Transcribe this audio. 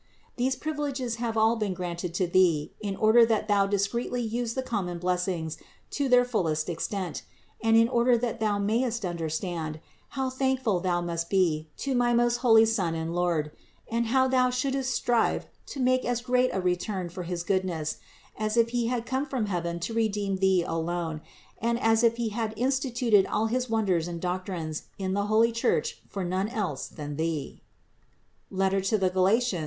These privileges have all been granted to thee in order that thou discreetly use the common blessings to their fullest ex tent, and in order that thou mayest understand, how thankful thou must be to my most holy Son and Lord, and how thou shouldst strive to make as great a return for his goodness, as if He had come from heaven to re deem thee alone and as if He had instituted all his won ders and doctrines in the holy Church for none else than thee (Gal. 7, 20).